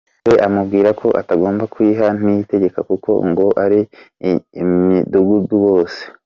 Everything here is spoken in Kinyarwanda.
Maze amubwira ko atagomba kuyiha Niyitegeka kuko ngo ari iy’umudugudu wose.